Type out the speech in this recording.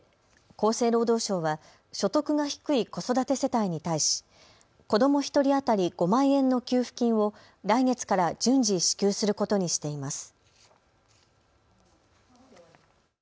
厚生労働省は所得が低い子育て世帯に対し子ども１人当たり５万円の給付金を来月から順次支給することにしています。